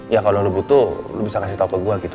ya kalo lu butuh lu bisa kasih tau ke gua gitu